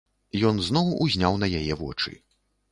Ён зноў узняў на яе вочы.